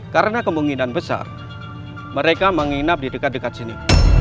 karena kemungkinan besar mereka menginap di dekat dekat sini